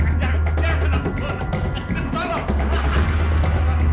amun taheng tinggi tapi jagesek hantar diri